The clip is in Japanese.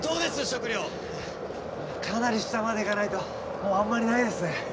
食料かなり下まで行かないともうあんまりないですね